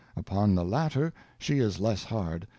Upon the latter she is less hard